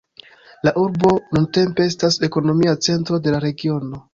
La urbo nuntempe estas ekonomia centro de la regiono.